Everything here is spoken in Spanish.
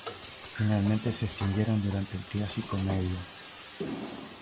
Finalmente se extinguieron durante el Triásico Medio.